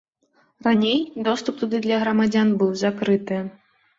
Раней доступ туды для грамадзян быў закрыты.